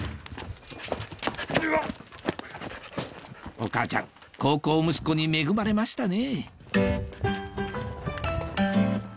お母ちゃん孝行息子に恵まれましたね